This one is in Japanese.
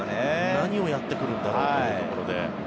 何をやってくるんだろうというところで。